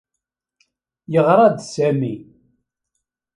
Yeɣra-d Sami.